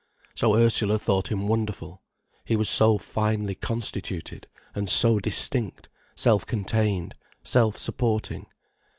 So Ursula thought him wonderful, he was so finely constituted, and so distinct, self contained, self supporting.